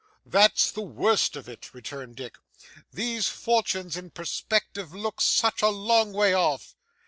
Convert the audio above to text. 'That's the worst of it,' returned Dick. 'These fortunes in perspective look such a long way off.